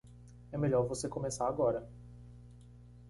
É melhor você começar agora.